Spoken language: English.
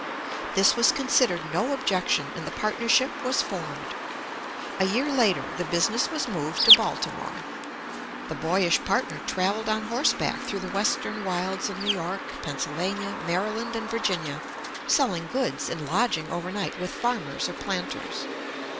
This was considered no objection, and the partnership was formed. A year later, the business was moved to Baltimore. The boyish partner travelled on horseback through the western wilds of New York, Pennsylvania, Maryland, and Virginia, selling goods, and lodging over night with farmers or planters.